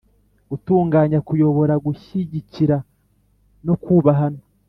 Gutunganya kuyobora gushyigikira no kubahana